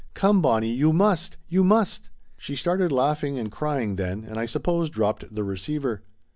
Come, Bonnie, you must, you must!" She started laughing and crying then and I suppose dropped the receiver.